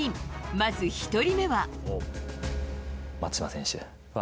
まず１人目は。